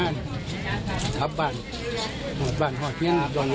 จะได้กลับบ้านแล้ว